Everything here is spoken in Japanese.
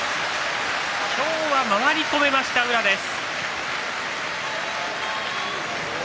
今日は回り込めました宇良です。